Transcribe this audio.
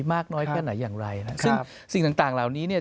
มากน้อยแค่ไหนอย่างไรนะฮะซึ่งสิ่งต่างต่างเหล่านี้เนี่ย